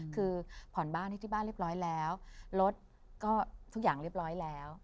คือผ่อนบ้านให้ที่บ้านเรียบร้อยแล้วรถก็ทุกอย่างเรียบร้อยแล้ว